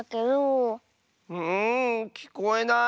んきこえない。